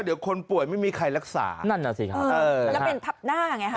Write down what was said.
เดี๋ยวคนป่วยไม่มีใครรักษานั่นน่ะสิครับเออแล้วเป็นทับหน้าไงฮะ